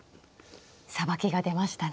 さばきが出ましたね。